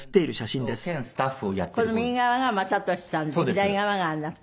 この右側が雅俊さんで左側があなた。